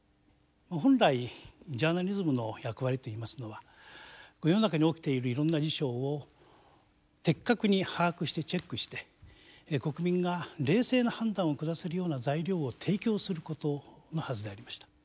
本来ジャーナリズムの役割といいますのは世の中に起きているいろんな事象を的確に把握してチェックして国民が冷静な判断を下せるような材料を提供することのはずでありました。